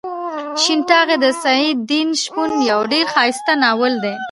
شین ټاغۍ د سعد الدین شپون یو ډېر ښایسته ناول دی.